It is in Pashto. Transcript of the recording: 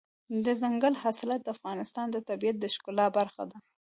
دځنګل حاصلات د افغانستان د طبیعت د ښکلا برخه ده.